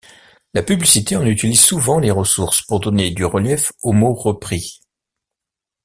La publicité en utilise souvent les ressources pour donner du relief aux mots repris.